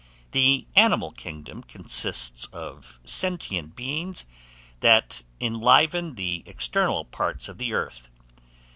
The Animal Kingdom consists of sentient beings, that enliven the external parts of the earth.